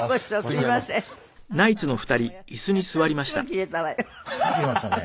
すぐ切れましたね。